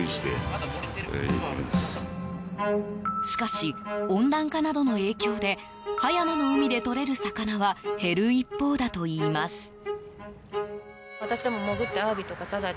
しかし、温暖化などの影響で葉山の海でとれる魚は減る一方だといいます。